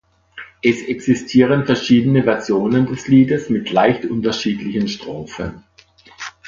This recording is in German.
Es existieren verschiedene Versionen des Liedes mit leicht unterschiedlichen Strophen.